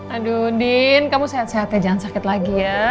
aduh din kamu sehat sehatnya jangan sakit lagi ya